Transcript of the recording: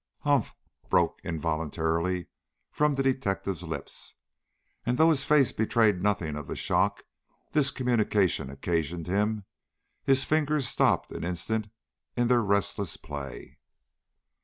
'" "Humph!" broke involuntarily from the detective's lips, and, though his face betrayed nothing of the shock this communication occasioned him, his fingers stopped an instant in their restless play.